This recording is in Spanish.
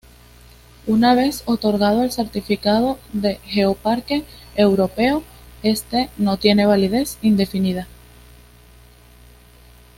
Una vez otorgado el certificado de Geoparque Europeo, este no tiene validez indefinida.